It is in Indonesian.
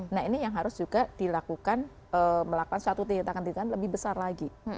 nah ini yang harus juga dilakukan melakukan suatu tindakan tindakan lebih besar lagi